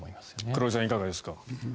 黒井さん、いかがですか？